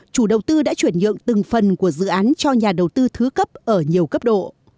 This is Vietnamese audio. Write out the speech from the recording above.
chủ đầu tư đã chuyển nhượng từng phần của dự án cho nhà đầu tư thứ cấp ở nhiều cấp độ